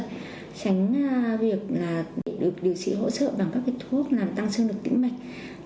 tránh việc được điều trị hỗ trợ bằng các thuốc làm tăng chương lực tĩnh mạch